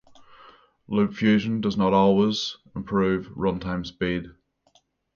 Loop fusion does not always improve run-time speed.